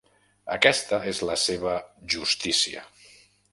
Aquesta és la seva "justícia".